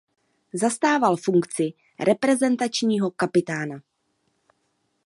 Zastával funkci reprezentačního kapitána.